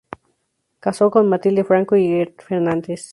Casó con Matilde Franco y Fernán-Díez.